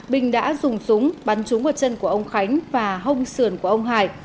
bình đã dùng súng bắn trúng vào chân của ông khánh và hông sườn của ông hải